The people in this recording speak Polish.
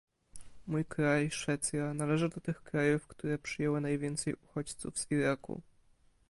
Mój kraj, Szwecja, należy do tych krajów, które przyjęły najwięcej uchodźców z Iraku